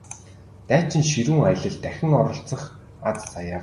Дайчин ширүүн аялалд дахин оролцох аз заяагаач!